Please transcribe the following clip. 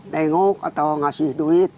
nengok atau ngasih duit